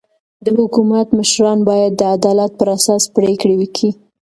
د حکومت مشران باید د عدالت پر اساس پرېکړي وکي.